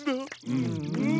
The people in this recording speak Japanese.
うんうん。